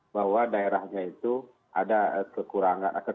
bahwa daerahnya itu tidak akan berhubungan dengan air bersih